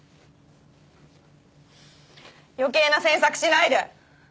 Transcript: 余計な詮索しないで！